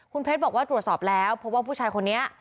คุณเพชรบอกว่าตรวจสอบแล้วเพราะว่าผู้ชายคนนี้